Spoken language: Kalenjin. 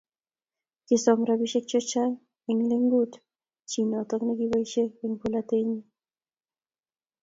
Kisom rabisiek chechang eng lengut chi notok koboisie eng polatet nyin